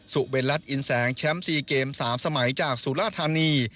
เบลรัฐอินแสงแชมป์๔เกม๓สมัยจากสุราธานี